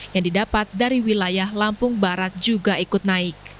yang didapat dari wilayah lampung barat juga ikut naik